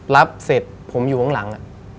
รับเสร็จผมอยู่ข้างหลัง